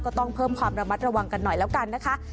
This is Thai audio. ก็ต้องเพิ่มความระมัดระวังกันหน่อยแล้วกันนะคะ